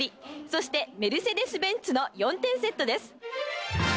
そして、メルセデス・ベンツの４点セットです。